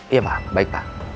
iya pak baik pak